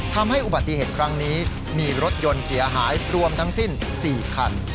ทำให้อุบัติเหตุครั้งนี้มีรถยนต์เสียหายรวมทั้งสิ้น๔คัน